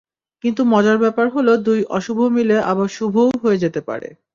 কিন্তু মজার ব্যাপার হলো দুই অশুভ মিলে আবার শুভও হয়ে যেতে পারে।